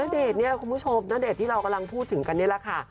ณเดชน์เนี่ยคุณผู้ชมณเดชน์ที่เรากำลังพูดถึงกันนี่แหละค่ะ